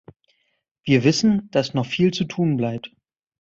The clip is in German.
Wir wissen, dass noch viel zu tun bleibt.